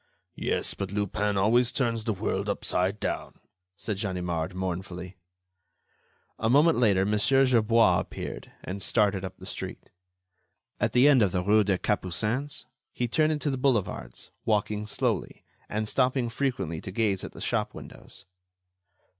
"Yes, but Lupin always turns the world upside down," said Ganimard, mournfully. A moment later, Mon. Gerbois appeared, and started up the street. At the end of the rue des Capucines, he turned into the boulevards, walking slowly, and stopping frequently to gaze at the shop windows.